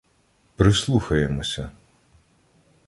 Прислухаємося.